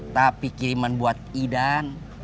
tapi kiriman buat idang